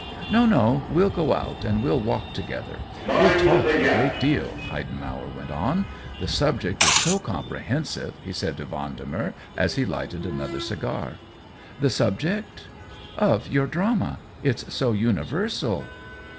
" No, no — we'll go out and we'll walk to gether. We'll talk a great deal," Heiden mauer went on. " The subject is so com prehensive," he said to Vendemer, as he lighted another cigar. " The subject ?"" Of your drama. It's so universal."